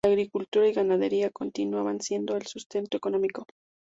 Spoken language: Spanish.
La agricultura y ganadería continuaban siendo el sustento económico.